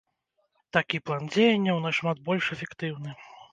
Такі план дзеянняў нашмат больш эфектыўны.